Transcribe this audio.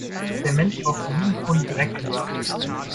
Der Mensch braucht sieben Pfund Dreck im Jahr.